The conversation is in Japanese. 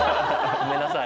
ごめんなさい。